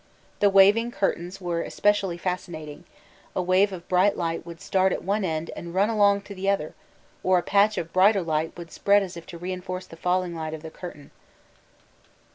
The waving curtains were especially fascinating a wave of bright light would start at one end and run along to the other, or a patch of brighter light would spread as if to reinforce the failing light of the curtain.